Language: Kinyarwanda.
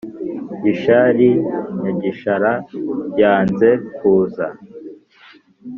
gishari nyagishara yanze kuza